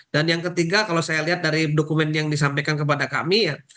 dan yang ketiga kalau saya lihat dari dokumen yang disampaikan kepada kami ya